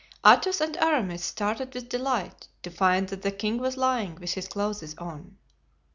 Athos and Aramis started with delight to find that the king was lying with his clothes on.